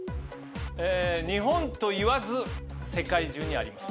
日本と言わず世界中にあります。